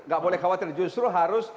gak boleh khawatir justru harus